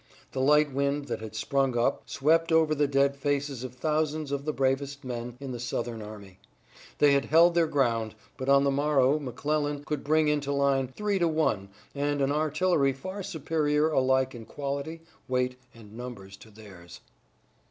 The light wind that had sprung up swept over the dead faces of thousands of the bravest men in the Southern army. They had held their ground, but on the morrow McClellan could bring into line three to one and an artillery far superior alike in quality, weight and numbers to theirs.